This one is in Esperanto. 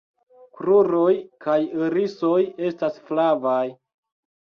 Kruroj kaj irisoj estas flavaj.